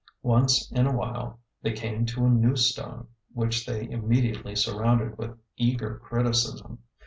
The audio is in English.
Once in a while they came to a new stone, which they immediately surrounded with eager criticism.